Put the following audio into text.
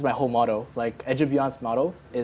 seperti motto edubeyond adalah